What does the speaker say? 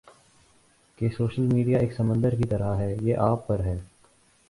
کہ social media ایک سمندر کی طرح ہے یہ آپ پر ہے